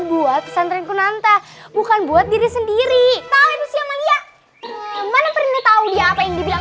buat santren kunanta bukan buat diri sendiri tahu dia mana pernah tahu dia apa yang dibilang